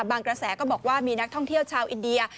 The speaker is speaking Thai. กระแสก็บอกว่ามีนักท่องเที่ยวชาวอินเดีย